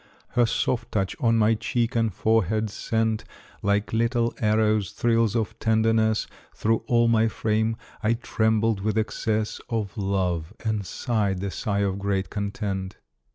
Her soft touch on my cheek and forehead sent, Like little arrows, thrills of tenderness Through all my frame. I trembled with excess Of love, and sighed the sigh of great content.